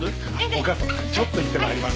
お母様ちょっと行って参ります。